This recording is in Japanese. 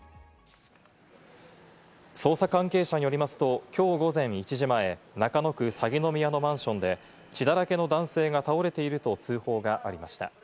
捜査関係者によりますと、きょう午前１時前、中野区鷺宮のマンションで血だらけの男性が倒れていると通報がありました。